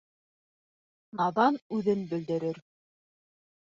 Наҙан үҙен бөлдөрөр.